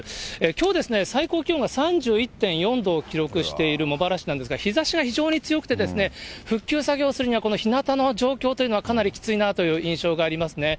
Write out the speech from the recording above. きょうですね、最高気温が３１．４度を記録している茂原市なんですが、日ざしが非常に強くてですね、復旧作業するには、このひなたの状況というのはかなりきついなという印象がありますね。